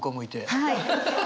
はい。